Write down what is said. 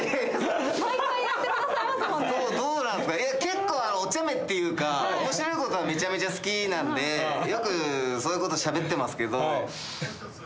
結構おちゃめっていうか面白いことはめちゃめちゃ好きなんでよくそういうことしゃべってますけど。